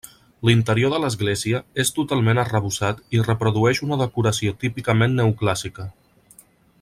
L'interior de l'església és totalment arrebossat i reprodueix una decoració típicament neoclàssica.